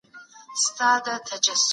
وټساپ د میټا له کمپنۍ سره تړاو لري.